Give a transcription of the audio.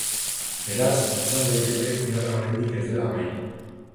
Beraz, esan daiteke gerra oraindik ez dela amaitu.